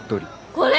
これ？